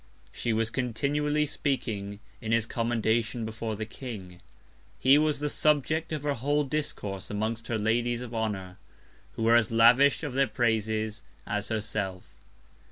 She was continually speaking in his Commendation before the King: He was the Subject of her whole Discourse amongst her Ladies of Honour, who were as lavish of their Praises as herself.